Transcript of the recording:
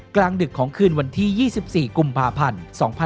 กลางดึกของคืนวันที่๒๔กุมภาพันธ์๒๕๖๒